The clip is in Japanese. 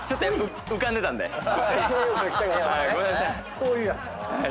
そういうやつ。